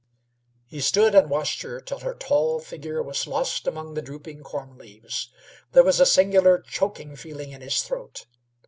He stood and watched her till her tall figure was lost among the drooping corn leaves. There was a singular choking feeling in his throat.